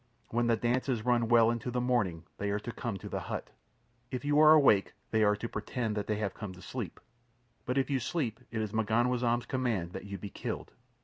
When the dance is run well into the morning they are to come to the hut. "If you are awake they are to pretend that they have come to sleep, but if you sleep it is M'ganwazam's command that you be killed.